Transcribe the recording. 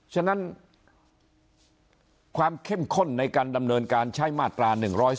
ฉะนั้นความเข้มข้นในการดำเนินการใช้มาตรา๑๔